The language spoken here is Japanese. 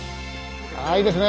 ああいいですね。